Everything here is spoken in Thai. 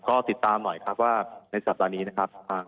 ก็ติดตามหน่อยครับว่าในสัปดาห์นี้นะครับ